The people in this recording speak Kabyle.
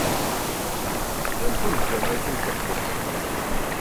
Sdensen lǧameɛ-ik imqeddes.